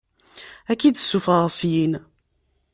Ad k-id-ssuffɣeɣ syin.